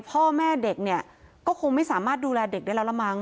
พ่อแม่เด็กเนี่ยก็คงไม่สามารถดูแลเด็กได้แล้วละมั้ง